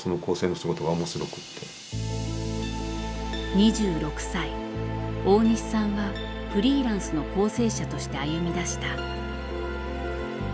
２６歳大西さんはフリーランスの校正者として歩みだした。